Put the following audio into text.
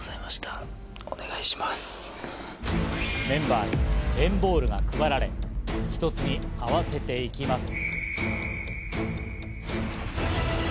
メンバーに＆ＢＡＬＬが配られて一つに合わせていきます。